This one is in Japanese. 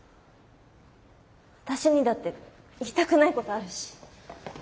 私にだって言いたくないことあるし。